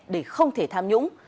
để không thể tham nhũng